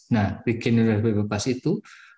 nah begini dari bebas itu